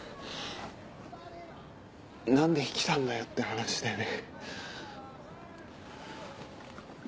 何で来たんだよって話だよね。